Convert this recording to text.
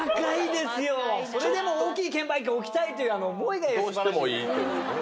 それでも大きい券売機置きたいという思いが素晴らしい。